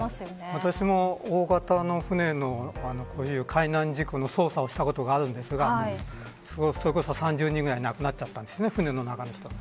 私も大型の船の海難事故の捜査をしたことがありますがそれこそ、３０人くらい亡くなってしまいました船の中の人。